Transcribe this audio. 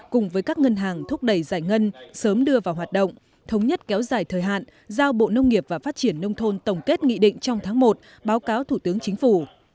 cùng với các ngân hàng thúc đẩy giải ngân sớm đưa vào hoạt động thống nhất kéo dài thời hạn giao bộ nông nghiệp và phát triển nông thôn tổng kết nghị định trong tháng một báo cáo thủ tướng chính phủ